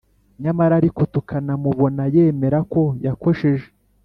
nyamara ariko tukanamubona yemera ko yakosheje